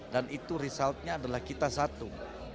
dan itu resultnya adalah kita satu